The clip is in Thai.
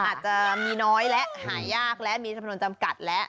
อาจจะมีน้อยและหายากและมีถนนจำกัดแล้ว